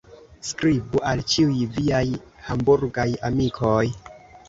Skribu al ĉiuj viaj Hamburgaj amikoj.